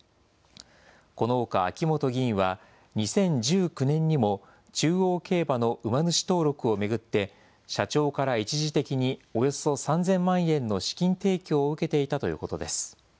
このほか秋本議員は、２０１９年にも、中央競馬の馬主登録を巡って、社長から一時的に、およそ３０００万円の資金提供を受けていたということです。